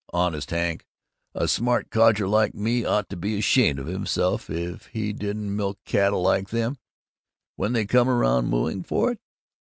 Honest, Hank, a smart codger like me ought to be ashamed of himself if he didn't milk cattle like them, when they come around mooing for it!